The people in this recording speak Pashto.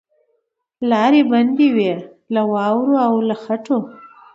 لاري بندي وې له واورو او له خټو